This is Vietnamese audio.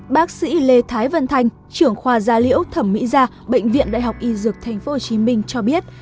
bác sĩ lê thái vân thanh trưởng khoa da liễu thẩm mỹ da bệnh viện đại học y dược tp hcm cho biết